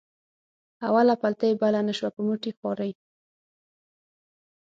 اوله پلته یې بله نه شوه په مټې خوارۍ.